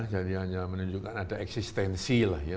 jadi hanya menunjukkan ada eksistensi lah ya